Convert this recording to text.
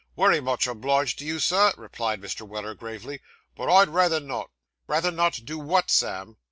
Wery much obliged to you, sir,' replied Mr. Weller gravely; 'but I'd rayther not.' 'Rather not do what, Sam?